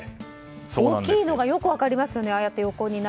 大きいのがよく分かりますね